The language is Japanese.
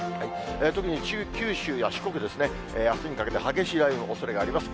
特に九州や四国ですね、あすにかけて激しい雷雨のおそれがあります。